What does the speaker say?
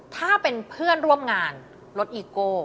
ถ้าเป็นเพื่อนร่วมงานรถอีโก้